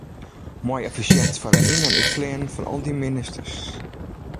Moai effisjint foar it yn- en útfleanen fan al dy ministers.